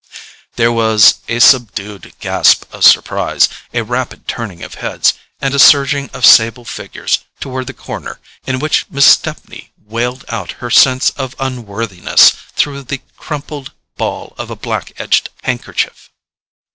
There was a subdued gasp of surprise, a rapid turning of heads, and a surging of sable figures toward the corner in which Miss Stepney wailed out her sense of unworthiness through the crumpled ball of a black edged handkerchief.